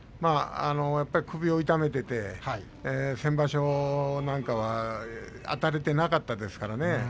首を痛めていて先場所なんかはあたれていなかったですからね。